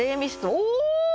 お！